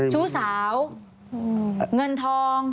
ชู้สาวเงินทอง